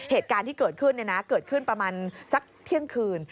เหตุการณ์ที่เกิดขึ้นเกิดขึ้นประมาณสักเที่ยงคืน